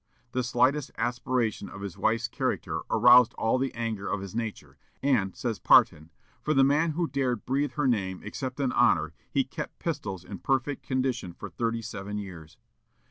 The slightest aspersion of his wife's character aroused all the anger of his nature, and, says Parton, "For the man who dared breathe her name except in honor, he kept pistols in perfect condition for thirty seven years."